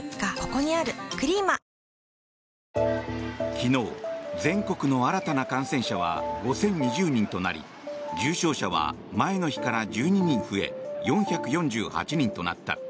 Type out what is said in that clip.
昨日、全国の新たな感染者は５０２０人となり重症者は前の日から１２人増え４４８人となった。